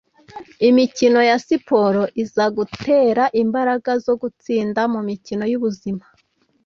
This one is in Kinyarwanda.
Imikino ya siporo izagutera imbaraga zo gutsinda mumikino yubuzima